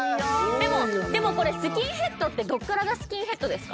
でもこれスキンヘッドってどっからがスキンヘッドですか？